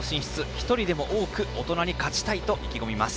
一人でも多く大人に勝ちたいと意気込みます。